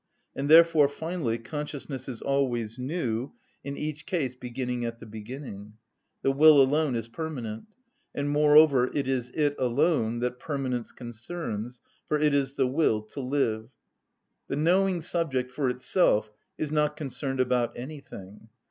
And therefore, finally, consciousness is always new, in each case beginning at the beginning. The will alone is permanent; and, moreover, it is it alone that permanence concerns; for it is the will to live. The knowing subject for itself is not concerned about anything.